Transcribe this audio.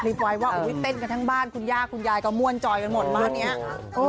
แล้วก็คงชอบจริง